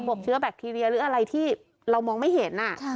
เชื้อแบคทีเรียหรืออะไรที่เรามองไม่เห็น